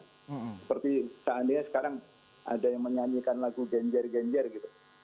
seperti seandainya sekarang ada yang menyanyikan lagu genjer genjer gitu